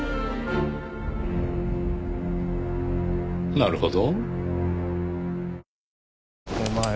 なるほど。